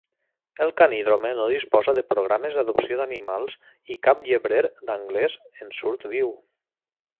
El Canidrome no disposa de programes d'adopció d'animals i cap llebrer anglès en surt viu.